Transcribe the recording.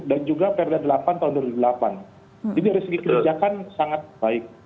dan juga prd delapan tahun dua ribu delapan jadi dari segi kebijakan sangat baik